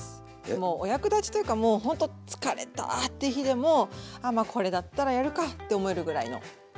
もうお役立ちというかもうほんと疲れたって日でもあまあこれだったらやるかって思えるぐらいの簡単なものを。